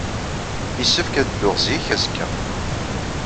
Yessefk ad dduɣ zik, azekka.